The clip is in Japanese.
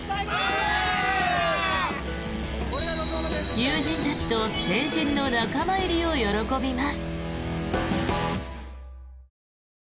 友人たちと成人の仲間入りを喜びます。